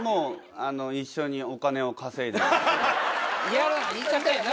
嫌な言い方やな。